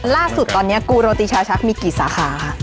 ล่าสุดตอนนี้กูโรติชาชักมีกี่สาขาค่ะ